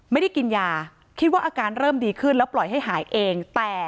ไม่ได้กินยาคิดว่าอาการเริ่มดีขึ้นแล้วปล่อยให้หายเอง